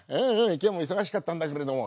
今日も忙しかったんだけれども。